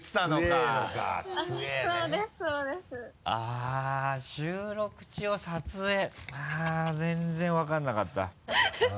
あっ全然わかんなかった。